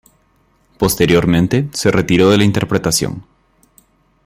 Posteriormente, se retiró de la interpretación.